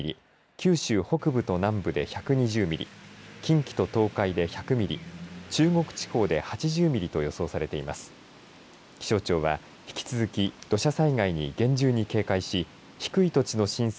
九州北部と南部で１２０ミリ近畿と東海で１００ミリ中国地方で８０ミリと予想されています。